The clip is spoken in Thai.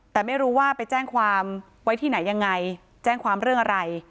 แต่ไม่รู้ว่าไปแจ้งความไว้ที่ไหนยังไงแจ้งความเรื่องอะไร